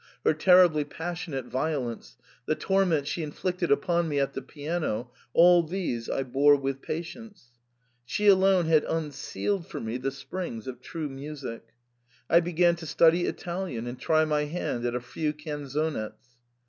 Lauretta was my ideal ; her vile caprices, her terribly passionate vio lence, the torments she inflicted upon me at the piano — all these I bore with patience. She alone had un sealed for me the springs of true music. I began to study Italian, and try my hand at a few canzonets.